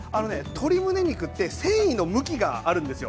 鶏むね肉って繊維の向きがあるんですよ。